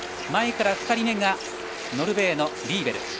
前から２人目がノルウェーのリーベル。